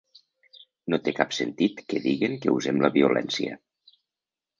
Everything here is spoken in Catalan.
No té cap sentit que diguen que usem la violència.